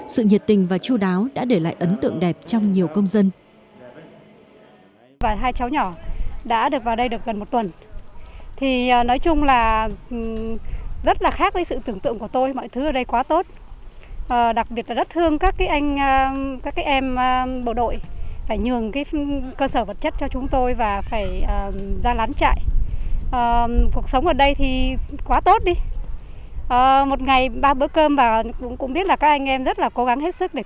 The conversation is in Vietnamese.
sự nhiệt tình và chú đáo đã để lại ấn tượng đẹp trong nhiều công dân